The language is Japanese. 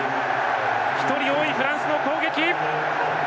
１人多いフランスの攻撃。